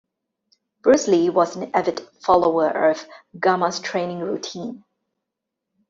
Bruce Lee was an avid follower of Gama's training routine.